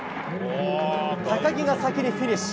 高木が先にフィニッシュ！